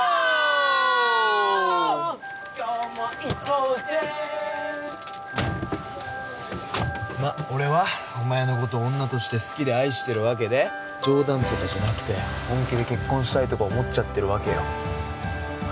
今日も行こうぜまっ俺はお前のこと女として好きで愛してるわけで冗談とかじゃなくて本気で結婚したいとか思っちゃってるわけよ